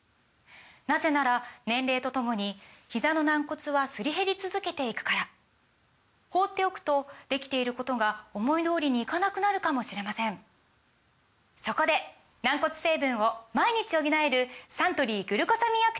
なぜなら年齢とともにひざの軟骨はすり減り続けていくから放っておくとできていることが思い通りにいかなくなるかもしれませんそこで軟骨成分を毎日補えるサントリー「グルコサミンアクティブ」！